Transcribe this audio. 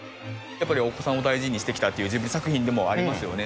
やっぱりお子さんを大事にしてきたというジブリ作品でもありますよね。